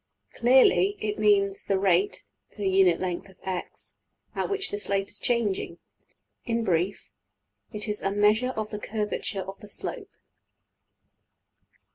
Clearly it means the rate (per unit of length~$x$) at which the slope is changing in brief, it is \emph{a measure of the curvature of the slope}.